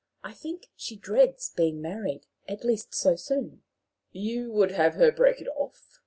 I think she dreads being married at least so soon." "You would have her break it off?"